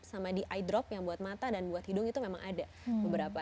sama di eyedrop yang buat mata dan buat hidung itu memang ada beberapa